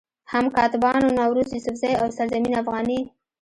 هم کاتبانو نوروز يوسفزئ، او سرزمين افغاني